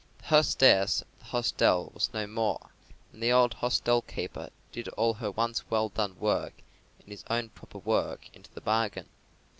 The hostess of the hostel was no more, and the old hostel keeper did all her once well done work and his own proper work into the bargain.